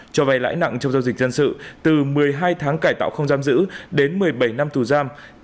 cho vay lãi nặng trong giao dịch dân sự từ một mươi hai tháng cải tạo không giam giữ đến một mươi bảy năm tù giam